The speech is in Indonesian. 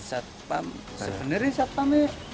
satpam sebenernya satpamnya